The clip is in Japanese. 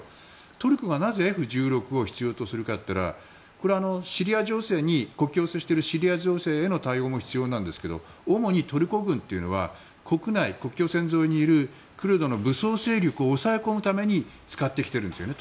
トルコがなぜＦ１６を必要するかと言ったらこれは国境に接しているシリア情勢に対応も必要なんですけど主にトルコ軍というのは国境線上にいるクルドの武装勢力を抑え込むために使ってきているんですね。